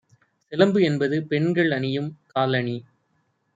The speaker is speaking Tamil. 'சிலம்பு' என்பது பெண்கள் அணியும் காலணி